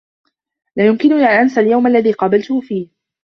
لا يمكنني أن أنسى اليوم الذي قابلته فيه.